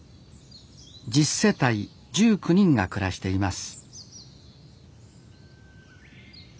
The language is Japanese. １０世帯１９人が暮らしています